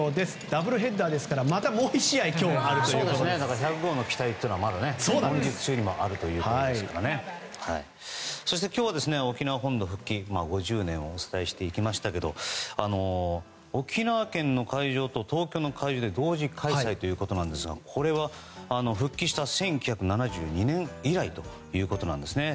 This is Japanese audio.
ダブルヘッダーですからもう１試合１００号の期待はまだ今月中にもあるということですからそして今日は沖縄本土復帰５０年をお伝えしていきましたけど沖縄県の会場と東京の会場で同時開催ということですがこれは復帰した１９７２年以来ということなんですね。